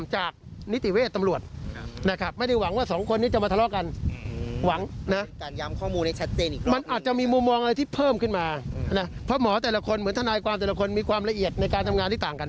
เจ้าหน้าที่จะเรียกเพื่อนทั้ง๕คนมาสอบอีกแน่นอนค่ะ